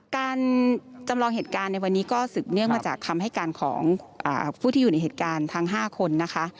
การจำลองเหตุการณ์ในวันนี้ก็สืบเนื่องมาจากคำให้การของผู้ที่อยู่ในเหตุการณ์ทั้ง๕คนนะคะ